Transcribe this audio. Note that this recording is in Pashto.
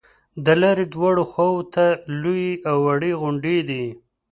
د لارې دواړو خواو ته لویې او وړې غونډې دي.